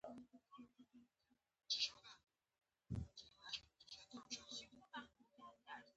سبا یوه بجه که در ورسېدم، ښه.